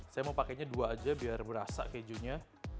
saya mau pakainya dua aja biar berasa kejunya